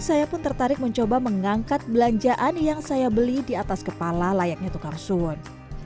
saya pun tertarik mencoba mengangkat belanjaan yang saya beli di atas kepala layaknya tukang sun